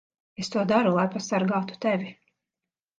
Es to daru, lai pasargātu tevi.